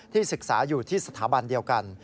ศึกษาอยู่ที่สถาบันเดียวกัน